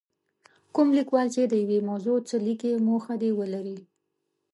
کوم لیکوال چې په یوې موضوع څه لیکي موخه دې ولري.